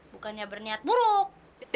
bukannya berniat buruk